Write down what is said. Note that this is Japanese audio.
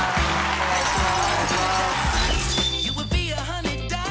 お願いします